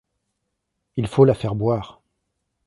Il faut la faire boire.